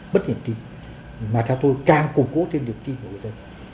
bất hiểm kịp mà theo tôi càng củng cố thêm điểm kịp của người dân